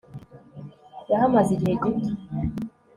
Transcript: yahamaze igihe gito